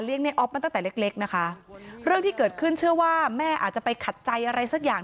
ในออฟมาตั้งแต่เล็กเล็กนะคะเรื่องที่เกิดขึ้นเชื่อว่าแม่อาจจะไปขัดใจอะไรสักอย่าง